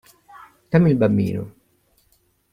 Dammi il bambino.